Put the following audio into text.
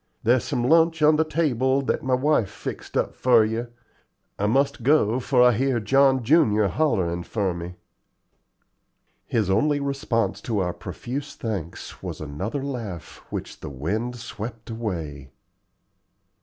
There's some lunch on the table that my wife fixed up for you. I must go, for I hear John junior hollerin' for me." His only response to our profuse thanks was another laugh, which the wind swept away.